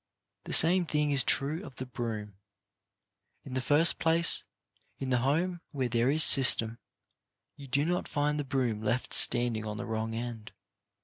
The same thing is true of the broom. In the first place, in the home where there is system, you do not find the broom left standing on the wrong end.